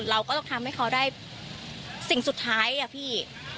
เราก็ต้องทำให้เขาได้สิ่งสุดท้ายอะพี่